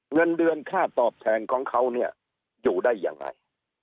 เงินเดือนค่าตอบแทนของเขาเนี่ยอยู่ได้ยังไง